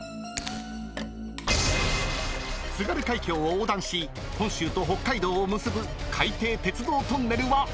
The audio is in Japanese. ［津軽海峡を横断し本州と北海道を結ぶ海底鉄道トンネルは果たして⁉］